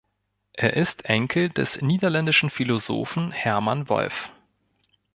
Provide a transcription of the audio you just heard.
Er ist Enkel des niederländischen Philosophen Herman Wolf.